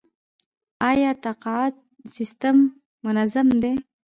آیا تقاعد سیستم منظم دی؟